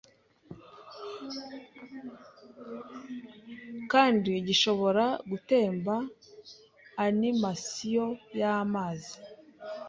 kandi gishobora gutemba animasiyo yamazi